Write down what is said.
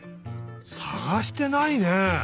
さがしてないね。